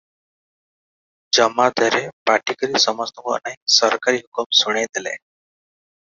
ଜମାଦାରେ ପାଟି କରି ସମସ୍ତଙ୍କୁ ଅନାଇ ସରକାରୀ ହୁକୁମ ଶୁଣାଇ ଦେଲେ ।